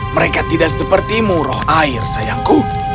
mereka tidak seperti mu roh air sayangku